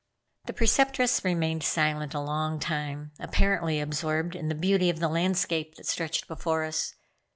The Preceptress remained silent a long time, apparently absorbed in the beauty of the landscape that stretched before us.